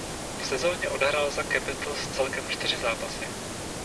V sezóně odehrál za Capitals celkem čtyři zápasy.